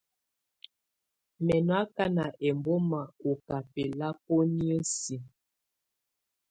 Mɛ̀ nɔ̀ akana ɛmbɔ̀ma ɔ̀ kà bɛlabɔ̀nɛ̀á siǝ.